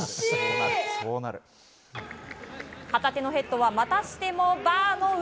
旗手のヘッドはまたしてもバーの上。